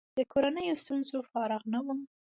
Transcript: له کورنیو ستونزو فارغ نه وم.